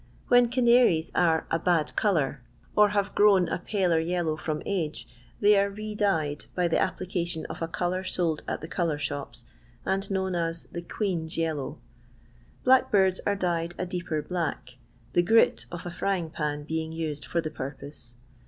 When canaries are "a bad colour," or haye 70 LONDON LABOUR AND THE LONDON POOR. grown a paler jellow from age, thej are re dyed, by the application of a colour lold at the colour •hope, and known as "the Queen's yellow." Black birds are dyed a deeper bUck, the " grit" off a frying pan being used for the purpose.